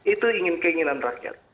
itu keinginan rakyat